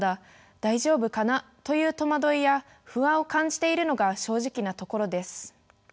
大丈夫かな」という戸惑いや不安を感じているのが正直なところです。